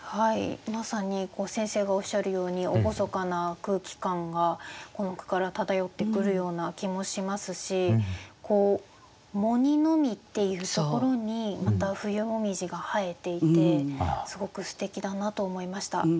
まさに先生がおっしゃるように厳かな空気感がこの句から漂ってくるような気もしますし「喪にのみ」っていうところにまた冬紅葉が映えていてすごくすてきだなと思いました。